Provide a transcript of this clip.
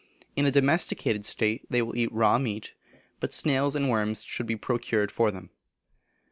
In a domesticated state they will eat raw meat, but snails and worms should be procured for them.